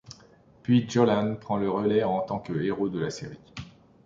Puis Jolan prend le relais en tant que héros de la série.